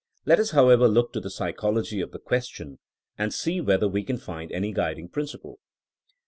Let us, however, look to the psychology of the question, and see whether we can find any guiding prindple.